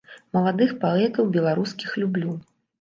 Маладых паэтаў беларускіх люблю.